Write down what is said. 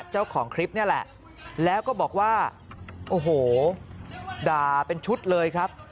เจ้าของคลิปนี่แหละแล้วก็บอกว่าโอ้โหด่าเป็นชุดเลยครับ